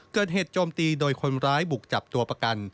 เกิดเหตุโจมตีโดยคนร้ายบุกจับตัวประกัน